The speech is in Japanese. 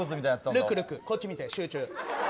ルック、ルックこっち見て、集中。